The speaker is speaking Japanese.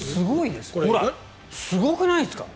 すごくないですか？